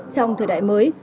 trong thời đại mới